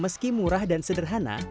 meski murah dan sederhana